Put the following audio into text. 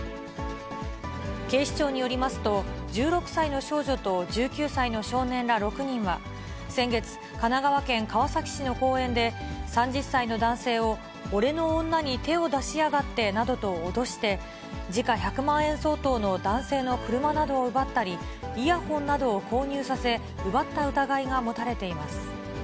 警視庁によりますと、１６歳の少女と１９歳の少年ら６人は、先月、神奈川県川崎市の公園で、３０歳の男性を俺の女に手を出しやがってなどと脅して、時価１００万円相当の男性の車などを奪ったり、イヤホンなどを購入させ奪った疑いが持たれています。